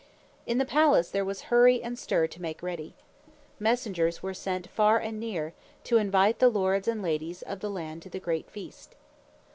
In the palace there was hurry and stir to make ready. Messengers were sent far and near, to invite the lords and ladies of the land to the great feast.